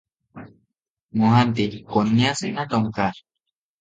ମହାନ୍ତି- କନ୍ୟାସୁନା ଟଙ୍କା?